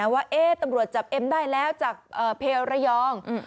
ว่าตำรวจจับเอ็มได้แล้วจากเพลระยอง